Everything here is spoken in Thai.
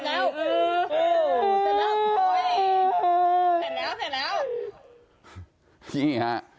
เสร็จแล้วเสร็จแล้วโอ้โหเสร็จแล้วโอ้โหเสร็จแล้วเสร็จแล้ว